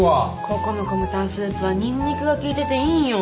ここのコムタンスープはにんにくが効いてていいんよ。